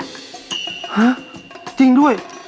ฮะจริงด้วย